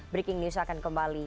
breaking news akan kembali